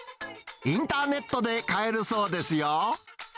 インターネットで買えるそうですよ。